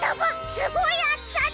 すごいあつさだ！